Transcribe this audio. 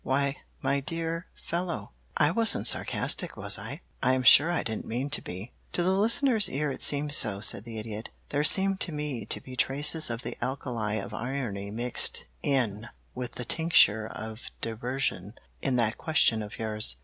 "Why, my dear fellow, I wasn't sarcastic, was I? I am sure I didn't mean to be." "To the listener's ear it seemed so," said the Idiot. "There seemed to me to be traces of the alkali of irony mixed in with the tincture of derision in that question of yours.